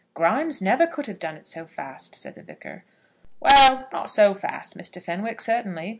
"Grimes never could have done it so fast," said the Vicar. "Well, not so fast, Mr. Fenwick, certainly."